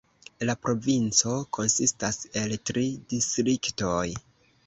La provinco konsistas el tri distriktoj.